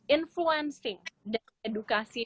influencing dan edukasi